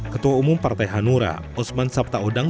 ketua umum partai hanura usman sabtaodang